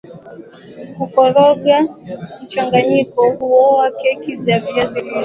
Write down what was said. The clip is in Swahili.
kukoroga mchanganyiko huowa keki ya viazi lishe